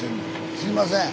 すいません。